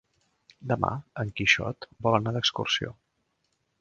Demà en Quixot vol anar d'excursió.